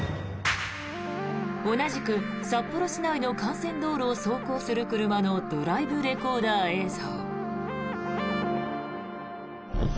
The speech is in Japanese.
同じく札幌市内の幹線道路を走行する車のドライブレコーダー映像。